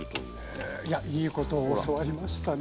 へえいやいいことを教わりましたね。